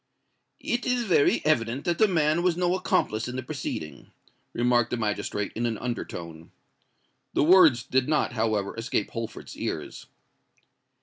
"It is very evident that the man was no accomplice in the proceeding," remarked the magistrate, in an under tone. The words did not, however, escape Holford's ears.